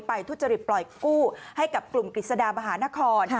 ทุจริตปล่อยกู้ให้กับกลุ่มกฤษฎามหานคร